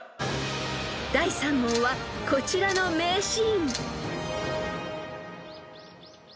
［第３問はこちらの名シーン］